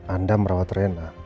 anda merawat rina